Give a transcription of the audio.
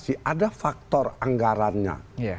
ini sudah faktor anggarannya